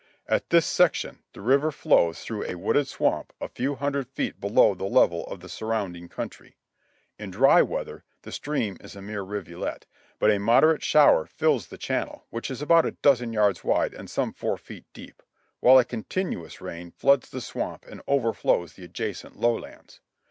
At this section the river flows through a wooded swamp a few hundred feet below the level of the surrounding country. In dry weather the stream is a mere rivulet, but a moderate shower fills the channel, which is about a dozen yards wide and some four feet deep ; while a continuous rain floods the swamp and overflows the adjacent low lands.